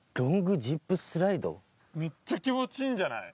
めっちゃ気持ちいいんじゃない？